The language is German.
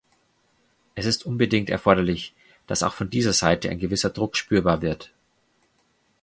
Es ist unbedingt erforderlich, dass auch von dieser Seite ein gewisser Druck spürbar wird.